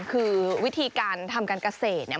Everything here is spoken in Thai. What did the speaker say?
คือวิธีการทำกันเกษตร